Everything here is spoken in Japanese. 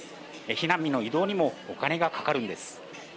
避難民の移動にもお金がかかるんです。